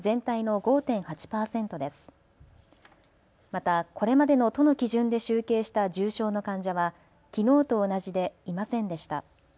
また、これまでの都の基準で集計した重症の患者はきのうと同じでいませんでした。